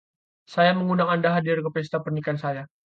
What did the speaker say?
saya mengundang anda hadir ke pesta pernikahan saya.